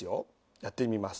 やってみます。